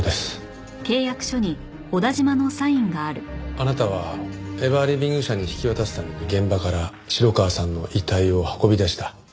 あなたはエバーリビング社に引き渡すために現場から城川さんの遺体を運び出した。